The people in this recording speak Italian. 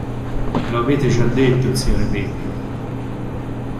Me lo avete già detto, zia Rebecca.